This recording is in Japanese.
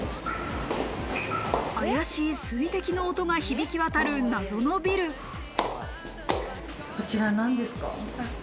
あやしい水滴の音が響き渡る、こちら何ですか？